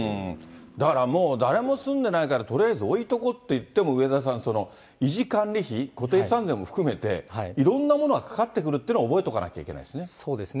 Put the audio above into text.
だからもう誰も住んでないからとりあえず置いておこうといっても、上田さん、維持管理費、固定資産税も含めていろんなものがかかってくるっていうのは、そうですね。